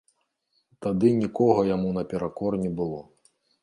Тады нікога яму наперакор не было.